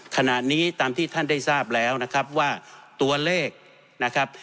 ขณะนี้ตามที่ท่านได้ทราบแล้วนะครับว่าตัวเลขนะครับ